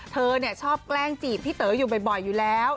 เธอชอบแกล้งจีบพี่เต๋ออยู่บ่อยอยู่แล้ว